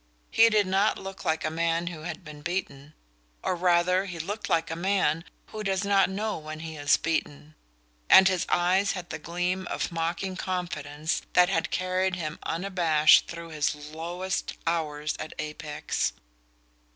He did not look like a man who has been beaten; or rather he looked like a man who does not know when he is beaten; and his eye had the gleam of mocking confidence that had carried him unabashed through his lowest hours at Apex.